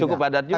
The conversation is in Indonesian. cukup padat juga